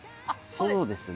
そうですね。